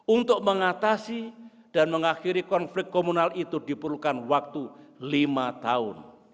untuk mengatasi dan mengakhiri konflik komunal itu diperlukan waktu lima tahun